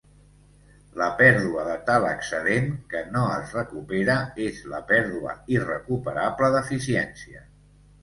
La pèrdua de tal excedent, que no es recupera, és la pèrdua irrecuperable d'eficiència.